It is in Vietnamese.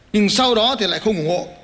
nhưng sau đó thì lại không ủng hộ